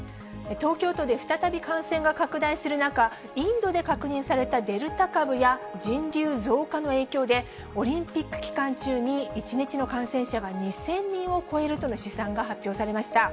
東京都で再び感染が拡大する中、インドで確認されたデルタ株や、人流増加の影響で、オリンピック期間中に、１日の感染者が２０００人を超えるとの試算が発表されました。